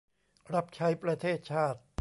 รับใช้ประเทศชาติ